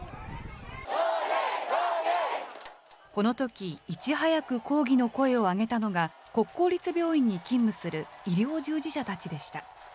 このとき、いち早く抗議の声を上げたのが、国公立病院に勤務する医療従事者たちでした。